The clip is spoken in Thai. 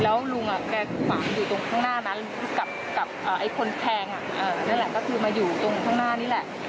แล้วลุงแกฝังอยู่ตรงข้างหน้านั้นกับคนแทงนั่นแหละก็คือมาอยู่ตรงข้างหน้านี่แหละ